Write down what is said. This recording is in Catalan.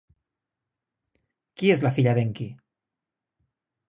Qui és la filla d'Enki?